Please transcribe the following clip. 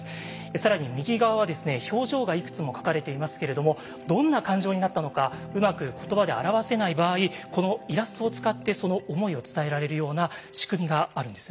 更に右側は表情がいくつも描かれていますけれどもどんな感情になったのかうまく言葉で表せない場合このイラストを使ってその思いを伝えられるような仕組みがあるんですよね。